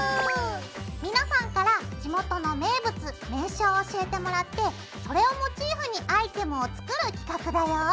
皆さんから地元の名物名所を教えてもらってそれをモチーフにアイテムを作る企画だよ！